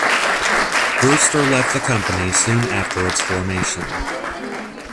Brewster left the company soon after its formation.